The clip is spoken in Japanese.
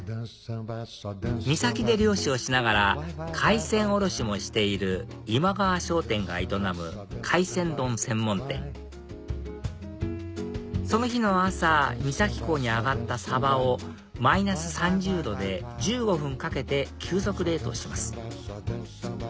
三崎で漁師をしながら海鮮卸もしている今川商店が営む海鮮丼専門店その日の朝三崎港に揚がったサバをマイナス３０℃で１５分かけて急速冷凍します